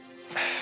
あ。